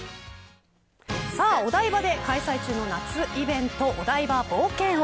お台場で開催中の夏イベントお台場冒険王。